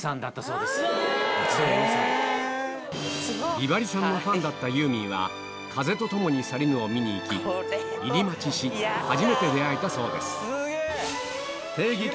美波里さんのファンだったユーミンは『風と共に去りぬ』を見に行き入り待ちし初めて出会えたそうです